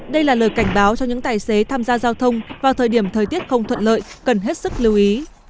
đây là lời cảnh báo cho những tài xế tham gia giao thông vào thời điểm thời tiết không thuận lợi cần hết sức lưu ý